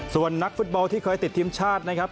ส่วนนักฟุตบอลที่เคยติดทีมชาตินะครับ